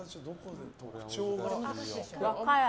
和歌山。